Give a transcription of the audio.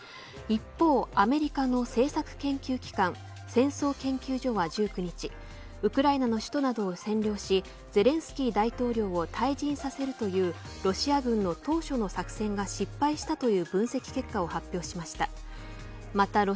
一方、アメリカの政策研究機関戦争研究所は１９日ウクライナの首都などを占領しゼレンスキー大統領は退陣させるというロシア軍の当初の作戦が失敗したという分析結果を発表しました。